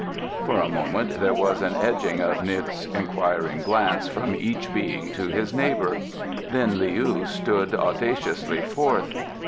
For a moment there was an edging of N'guk's inquiring glance from each Being to his neighbour. Then Leou stood audaciously forth.